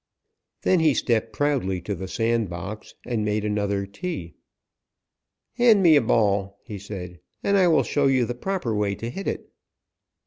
Then he stepped proudly to the sand box and made another tee. "Hand me a ball," he said, "and I will show you the proper way to hit it."